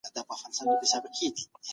د هرې حادثې لامل په عقل پيدا کړئ.